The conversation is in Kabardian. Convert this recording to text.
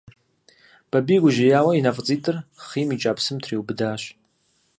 Бабий гужьеяуэ и нэ фӀыцӀитӀыр хъийм икӀа псым триубыдащ.